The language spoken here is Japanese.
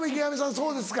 そうですか。